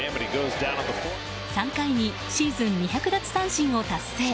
３回にシーズン２００奪三振を達成。